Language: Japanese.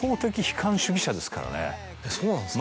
そうなんですか。